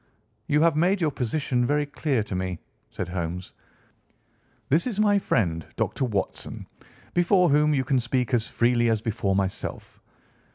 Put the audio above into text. "You have made your position very clear to me," said Holmes. "This is my friend, Dr. Watson, before whom you can speak as freely as before myself.